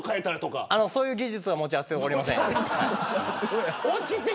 そういう技術は持ち合わせておりません。